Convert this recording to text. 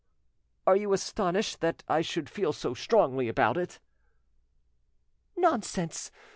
"Are you astonished that I should feel so strongly about it?" "Nonsense!